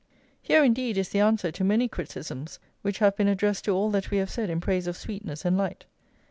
Here, indeed, is the answer to many criticisms which have been addressed to all that we have said in praise of sweetness and light.